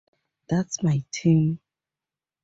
That's my team.